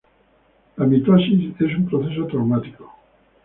La mitosis es un proceso traumático.